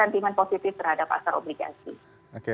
sentimen positif terhadap pasar obligasi